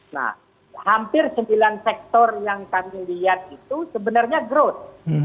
nah hampir sembilan sektor yang kami lihat itu sebenarnya growth